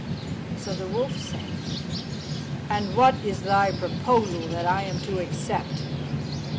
So the wolf said, "And what is thy proposal that I am to accept?"